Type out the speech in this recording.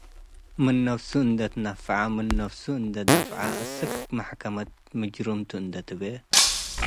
ምን ነፍሱ እንዴ ትነፈዐ ምን ነፍሱ እንዴ ዳፍዕ አስክ መሕከመት ሙጅርምቱ እንዴ ትቤ